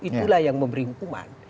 itulah yang memberi hukuman